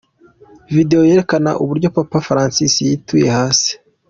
Video yerekana uburyo Papa Francis yituye hasi.